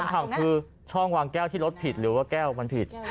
ข่าวคือช่องวางแก้วที่รถผิดหรือว่าแก้วมันผิด